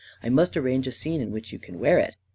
I must arrange a scene in which you can wear it."